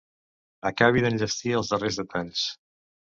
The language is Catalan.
Acabi d'enllestir els darrers detalls.